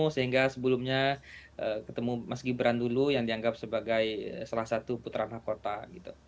sehingga sebelumnya ketemu mas gibran dulu yang dianggap sebagai salah satu putra mahkota